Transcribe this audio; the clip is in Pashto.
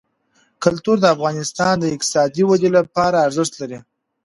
کلتور د افغانستان د اقتصادي ودې لپاره ارزښت لري.